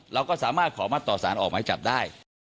เราก็สามารถขอมัดต่อสารออกหมายจับได้